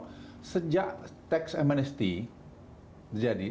bahwa sejak tax amnesty terjadi